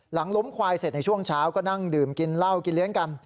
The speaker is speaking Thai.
หลังล้มควายเสร็จในช่วงเช้าก็นั่งดื่มกินเหล้ากินเลี้ยงกัน